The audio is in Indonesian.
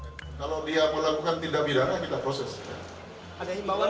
janganlah kita proses